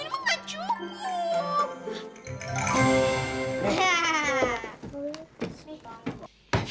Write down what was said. ini emang gak cukup